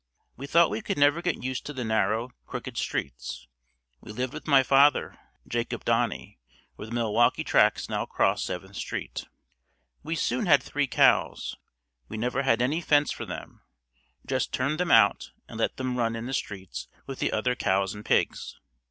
We thought we could never get used to the narrow, crooked streets. We lived with my father, Jacob Doney, where the Milwaukee tracks now cross Seventh Street. We soon had three cows. We never had any fence for them, just turned them out and let them run in the streets with the other cows and pigs.